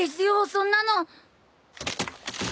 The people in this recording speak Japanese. そんなの。